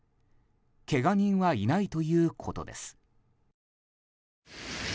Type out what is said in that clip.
けが人はいないということです。